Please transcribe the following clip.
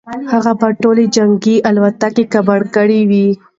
هغه به ټولې جنګي الوتکې کباړ کړې وي.